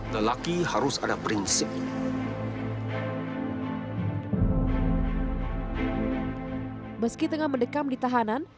meski tengah mendekam di tahanan